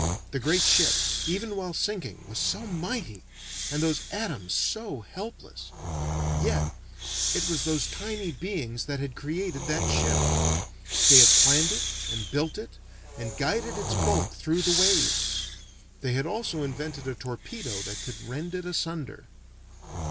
The great ship, even while sinking, was so mighty, and those atoms so helpless. Yet, it was those tiny beings that had created that ship. They had planned it and built it and guided its bulk through the waves. They had also invented a torpedo that could rend it asunder.